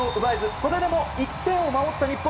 それでも１点を守った日本